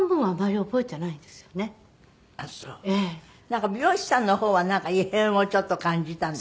なんか美容師さんの方はなんか異変をちょっと感じたんですって？